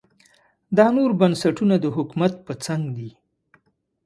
دا نور بنسټونه د حکومت په څنګ دي.